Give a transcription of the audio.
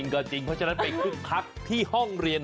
ก็จริงเพราะฉะนั้นไปคึกคักที่ห้องเรียน